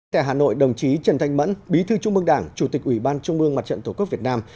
tại hà nội đồng chí trần thanh mẫn bí thư trung mương đảng chủ tịch ủy ban trung mương mặt trận tổ quốc việt nam